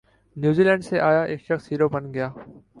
نیوزی Zealand سے آیا ایک شخص ہیرو بن گیا